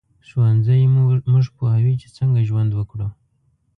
ښوونځی موږ پوهوي چې څنګه ژوند وکړو